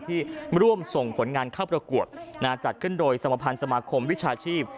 ที่ร่วมส่งผลงานเข้าประกวดจัดขึ้นโดยสมพันธ์สมาคมวิชาชีพ